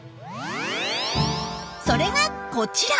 それがこちら！